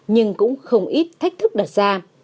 nhưng cũng không ít thách thức đặt ra